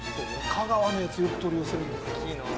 香川のやつよく取り寄せるんですよ。